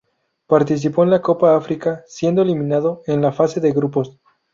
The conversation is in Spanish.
Participó en la Copa África, siendo eliminado en la fase de grupos.